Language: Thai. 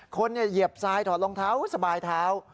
เหยียบทรายถอดรองเท้าสบายเท้า